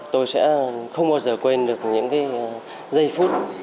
tôi sẽ không bao giờ quên được những cái giây phút